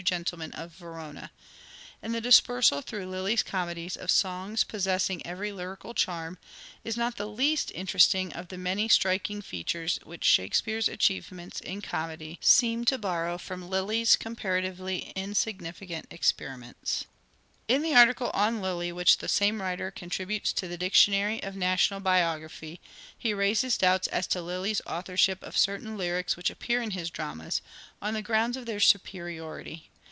Gentlemen of Verona," and the dispersal through Lyly's comedies of songs possessing every lyrical charm is not the least interesting of the many striking features which Shakespeare's achievements in comedy seem MANHOOD OF DE VERE : MIDDLE PERIOD 321 to borrow from Lyly's comparatively insignificant experiments." In the article on Lyly which the same writer contributes to the Dictionary of National Biography he raises doubts as to Lyly's authorship of certain lyrics which appear in his dramas — on the grounds of their superiority.